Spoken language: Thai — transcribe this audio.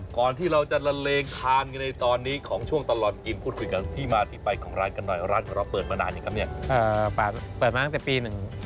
ก่อนที่เราจะละเลงทางในตอนนี้